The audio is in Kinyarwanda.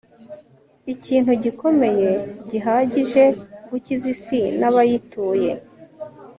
ikintu gikomeye gihagije gukiza isi nabayituye